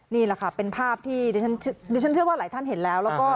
นี่แหละค่ะเป็นภาพที่เดี๋ยวฉันเชื่อว่าหลายท่านเห็นแล้ว